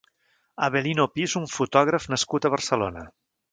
Avelino Pi és un fotògraf nascut a Barcelona.